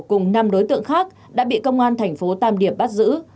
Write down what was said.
cùng năm đối tượng khác đã bị công an thành phố tam điệp bắt giữ